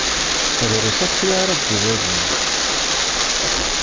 Drus akya ara d-iwalin.